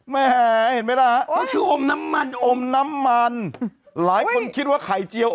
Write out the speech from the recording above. แหมเห็นไหมล่ะนั่นคืออมน้ำมันอมน้ำมันหลายคนคิดว่าไข่เจียว